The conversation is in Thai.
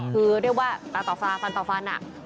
คือเรียกว่าตาต่อฟาฟันต่อฟัน